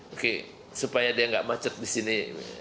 oke supaya dia nggak macet di sini